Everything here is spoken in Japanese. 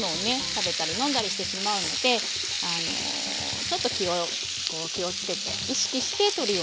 食べたり飲んだりしてしまうのでちょっと気をつけて意識してとるようにしています。